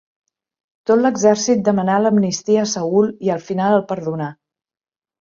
Tot l'exèrcit demanà l'amnistia a Saül i al final el perdonà.